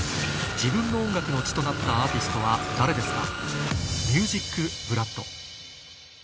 自分の音楽の血となったアーティストは誰ですか？